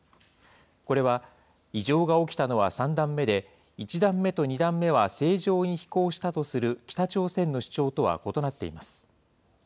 これは、異常が起きたのは３段目で、１段目と２段目は正常に飛行したとする北朝鮮の主張とは異なっています。